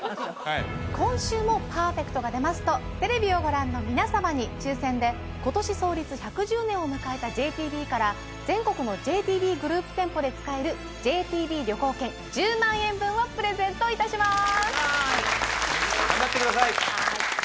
今週もパーフェクトが出ますとテレビをご覧の皆様に抽選で今年創立１１０年を迎えたＪＴＢから全国のＪＴＢグループ店舗で使えるＪＴＢ旅行券１０万円分をプレゼントいたします